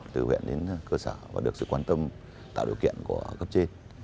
từ huyện đến cơ sở và được sự quan tâm tạo điều kiện của cấp trên